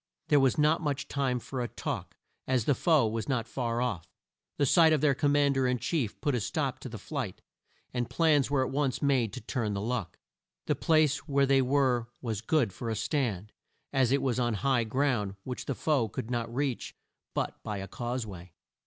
There was not much time for a talk, as the foe were not far off. The sight of their Com mand er in chief put a stop to the flight, and plans were at once made to turn the luck. The place where they were was good for a stand, as it was on high ground which the foe could not reach but by a cause way.